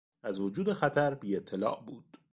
از وجود خطر بیاطلاع بود.